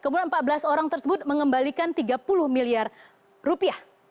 kemudian empat belas orang tersebut mengembalikan tiga puluh miliar rupiah